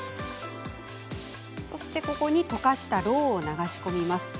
ここに溶かしたろうを流し込みます。